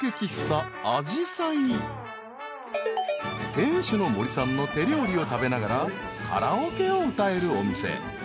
［店主の森さんの手料理を食べながらカラオケを歌えるお店］